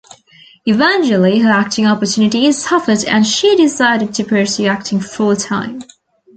Eventually, her acting opportunities suffered and she decided to pursue acting full-time.